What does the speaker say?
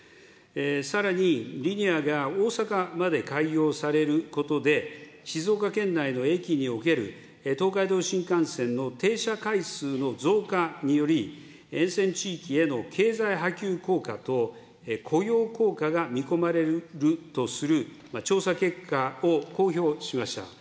さらに、リニアが大阪まで開業されることで、静岡県内の駅における東海道新幹線の停車回数の増加により、沿線地域への経済波及効果と雇用効果が見込まれるとする調査結果を公表しました。